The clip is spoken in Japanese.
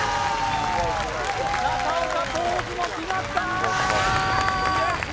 中岡ポーズも決まった！